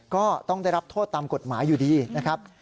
ก็ต้องได้รับโทษตามกฎหมายอยู่ดีนะครับ